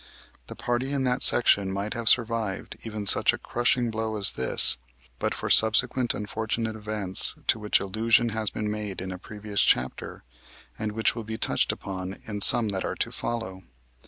The party in that section might have survived even such a crushing blow as this, but for subsequent unfortunate events to which allusion has been made in a previous chapter, and which will be touched upon in some that are to follow.